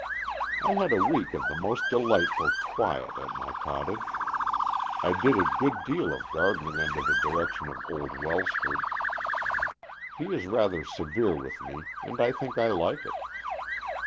I had a week of the most delightful quiet at my cottage. I did a good deal of garden ing under the direction of old Welsford. He is rather severe with me, and I think I like it.